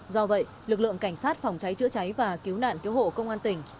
do vậy lực lượng cảnh sát phòng cháy chữa cháy và cứu nạn cứu hộ công an tỉnh